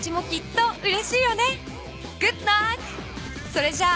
それじゃあ。